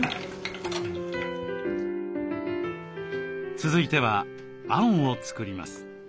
続いてはあんを作ります。